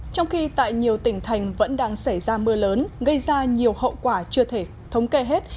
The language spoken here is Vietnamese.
trong khi tại nhiều tỉnh thành vẫn đang xảy ra mưa lớn gây ra nhiều hậu quả chưa thể thống kê hết